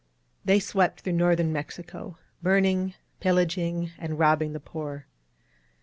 They swept through Northern Mexico, burning, pillaging and rob bing the poor.